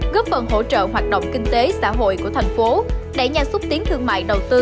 góp phần hỗ trợ hoạt động kinh tế xã hội của thành phố đẩy nhà xúc tiến thương mại đầu tư